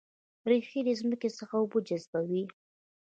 ریښې د ځمکې څخه اوبه جذبوي